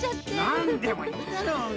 なんでもいいだろうが。